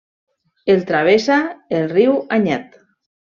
El travessa el riu Anyet.